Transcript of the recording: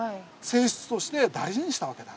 正室として大事にしたわけだから。